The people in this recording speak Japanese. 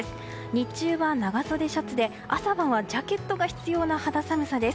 日中は長袖シャツで朝晩はジャケットが必要な肌寒さです。